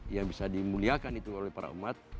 yang bisa dimuliakan itu oleh para umat